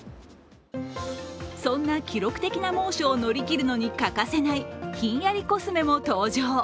そんな記録的な猛暑を乗り切るのに欠かせないひんやりコスメも登場。